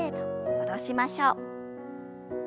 戻しましょう。